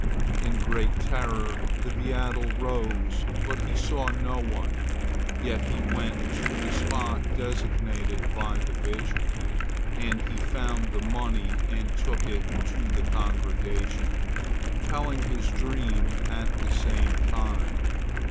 In great terror the beadle arose, but he saw no one, yet he went to the spot designated by the vision, and he found the money and took it to the congregation, telling his dream at the same time.